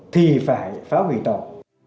thì phải phá hủy tàu